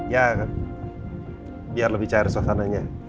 ya biar lebih cair suasananya